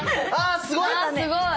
あすごい！